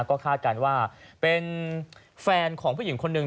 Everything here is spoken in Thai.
ก็คาดการณ์ว่าเป็นแฟนของผู้หญิงคนหนึ่ง